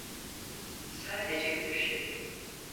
Sadece bir şey.